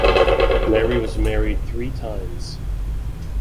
Mary was married three times.